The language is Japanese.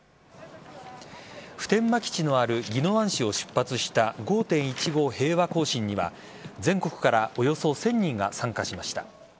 普天間基地のある宜野湾市を出発した５．１５平和行進には全国からおよそ１０００人が参加しました。